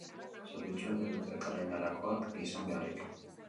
Zerbitzuek ez dute elkarrenganakoak izan beharrik.